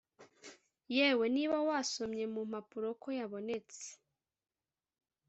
yewe niba wasomye mumpapuro ko yabonetse